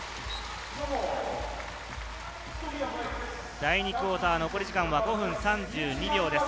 第２クオーター、残り時間は５分３２秒です。